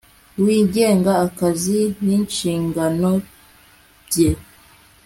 WIGENGA AKAZI N INSHINGANO BYE